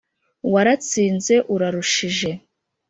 waratsinze urarushije.